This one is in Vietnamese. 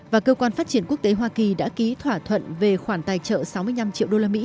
và cơ quan phát triển quốc tế hoa kỳ đã ký thỏa thuận về khoản tài trợ sáu mươi năm triệu usd